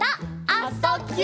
「あ・そ・ぎゅ」